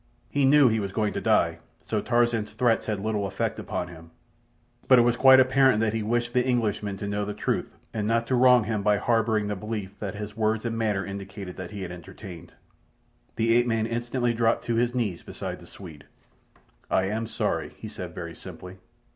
He knew he was going to die, so Tarzan's threats had little effect upon him; but it was quite apparent that he wished the Englishman to know the truth and not to wrong him by harbouring the belief that his words and manner indicated that he had entertained. The ape man instantly dropped to his knees beside the Swede. "I am sorry," he said very simply.